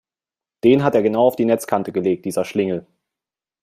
Den hat er genau auf die Netzkante gelegt, dieser Schlingel!